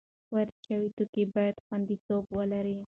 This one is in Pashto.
وارد شوي توکي باید خوندیتوب ولري.